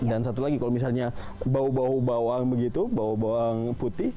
dan satu lagi kalau misalnya bau bau bawang begitu bau bau bawang putih